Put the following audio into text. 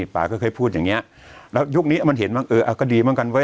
ป่าก็เคยพูดอย่างเงี้ยแล้วยุคนี้มันเห็นบ้างเออเอาก็ดีเหมือนกันเว้